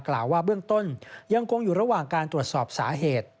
กล่าวว่าเบื้องต้นยังคงอยู่ระหว่างการตรวจสอบสาเหตุ